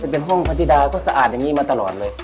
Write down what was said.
เป็นห้องพระธิดาเขาสะอาดอย่างนี้มาตลอดเลย